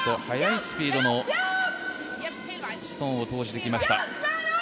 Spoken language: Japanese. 速いスピードのストーンを投じてきました。